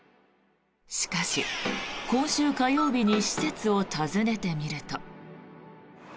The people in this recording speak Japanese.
しかし、今週火曜日に施設を訪ねてみると。